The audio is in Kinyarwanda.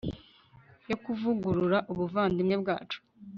yo kuvugurura ubuvandimwe bwacu